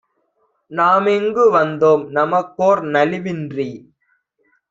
நாமிங்கு வந்தோம். நமக்கோர் நலிவின்றி